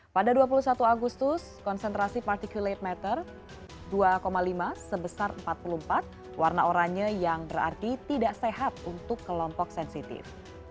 pada dua puluh satu agustus konsentrasi particulate matter dua lima sebesar empat puluh empat warna oranye yang berarti tidak sehat untuk kelompok sensitif